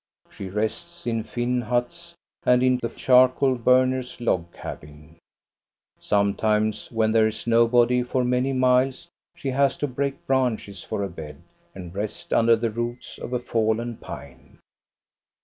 She rests in Finn huts and in the charcoal burner's log cabin. Sometimes, when there is nobody for many miles, she has to break branches for a bed and rest under the roots of a fallen pine.